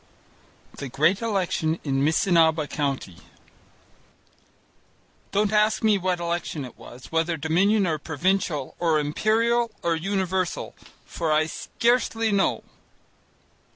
The Great Election in Missinaba County Don't ask me what election it was, whether Dominion or Provincial or Imperial or Universal, for I scarcely know.